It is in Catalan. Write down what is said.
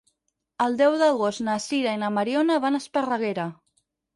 El deu d'agost na Sira i na Mariona van a Esparreguera.